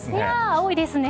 青いですね。